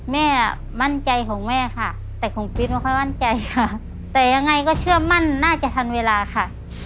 แม่มั่นใจของแม่ค่ะแต่ของฟิศไม่ค่อยมั่นใจค่ะแต่ยังไงก็เชื่อมั่นน่าจะทันเวลาค่ะ